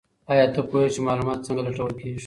ایا ته پوهېږې چې معلومات څنګه لټول کیږي؟